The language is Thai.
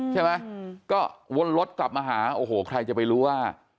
ใช่ไหมก็วนรถกลับมาหาโอ้โหใครจะไปรู้ว่า